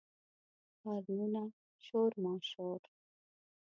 هارنونه، شور ماشور